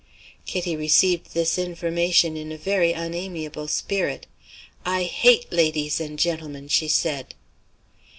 Kitty received this information in a very unamiable spirit. "I hate ladies and gentlemen!" she said.